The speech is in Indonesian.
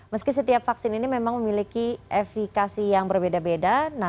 meski setiap vaksin ini memang memiliki efekasi yang berbeda beda